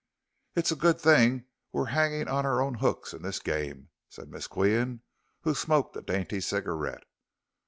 "It's a good thing we're hanging on our own hooks in this game," said Miss Qian, who smoked a dainty cigarette.